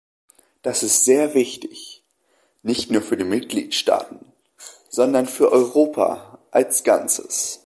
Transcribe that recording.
Das ist sehr wichtig, nicht nur für die Mitgliedstaaten, sondern für Europa als Ganzes.